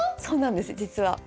そうなんです実は。